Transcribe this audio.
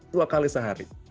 dua kali sehari